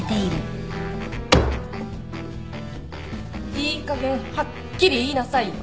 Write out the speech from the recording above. ・いいかげんはっきり言いなさいよ。